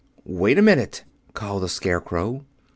"Wait a minute!" called the Scarecrow.